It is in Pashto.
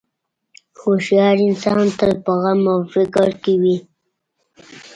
هوښیار انسان تل په غم او فکر کې وي.